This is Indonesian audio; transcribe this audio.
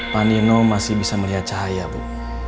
pak nino masih bisa melihat cahaya bu